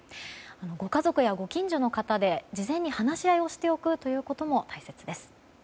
ご家族やご近所の方で事前に話し合いをしておくことも大切です。